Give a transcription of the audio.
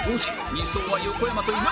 ２走は横山と稲村